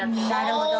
なるほど。